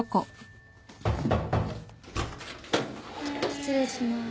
・・・失礼します。